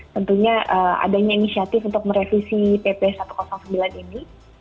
tentunya adanya inisiatif untuk merevisi pp satu ratus sembilan ini